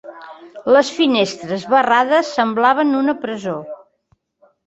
Les finestres barrades semblaven una presó.